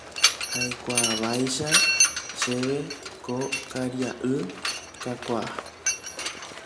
Aikuaávaicha chéve ko karia'y kakuaa